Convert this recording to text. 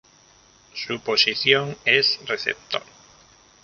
Su posición es receptor.